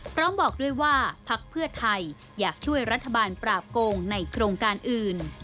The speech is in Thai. พร้อมบอกด้วยว่าพักเพื่อไทยอยากช่วยรัฐบาลปราบโกงในโครงการอื่น